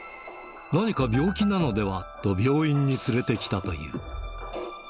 何か病気なのでは？と、病院に連れてきたという。